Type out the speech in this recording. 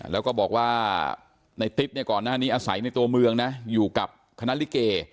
แล้วก็บอกว่าในติ๊ดเนี่ยก่อนหน้านี้อาศัยในตัวเมืองนะอยู่กับคณะลิเก